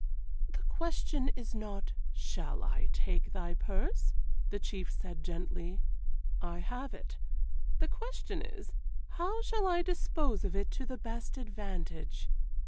"The question is not, 'Shall I take thy purse?'" the Chief said gently. "I have it. The question is, 'How shall I dispose of it to the best advantage?'"